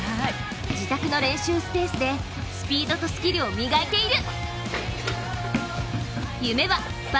自宅の練習スペースでスピードとスキルを磨いている。